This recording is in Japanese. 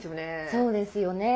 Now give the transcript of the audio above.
そうですよね。